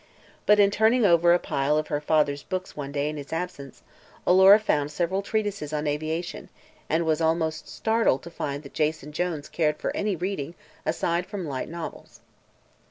But in turning over a pile of her father's books one day in his absence, Alora found several treatises on aviation and was almost startled to find that Jason Jones cared for any reading aside from light novels.